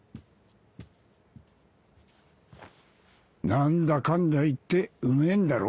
何だかんだ言ってうめぇんだろ。